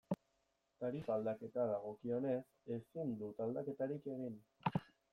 Tarifa aldaketa dagokionez, ezin dut aldaketarik egin.